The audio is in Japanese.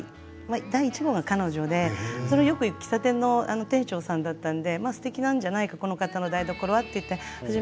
第１話が彼女でよく行く喫茶店の店長さんだったのですてきなんじゃないかこの方の台所と思って。